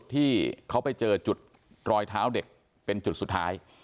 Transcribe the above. ที่เขาไปเจอจุดรอยเท้าเด็กเป็นจุดสุดท้าย